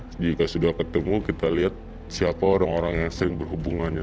jika sudah ketemu kita lihat siapa orang orang yang sering berhubungannya